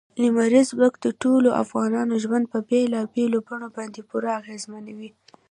لمریز ځواک د ټولو افغانانو ژوند په بېلابېلو بڼو باندې پوره اغېزمنوي.